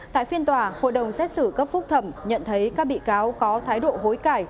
tại phiên tòa hội đồng xét xử cấp phúc thẩm nhận thấy các bị cáo có thái độ hối cải